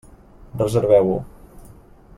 Reserveu-ho.